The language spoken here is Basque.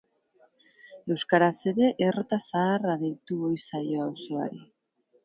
Euskaraz ere Errota Zaharra deitu ohi zaio auzoari.